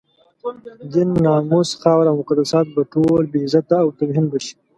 دين، ناموس، خاوره او مقدسات به ټول بې عزته او توهین به شي.